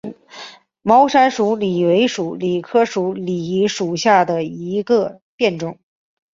毛山鼠李为鼠李科鼠李属下的一个变种。